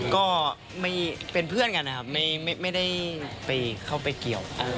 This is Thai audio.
ก็เป็นเพื่อนกันนะครับไม่ได้ไปเข้าไปเกี่ยว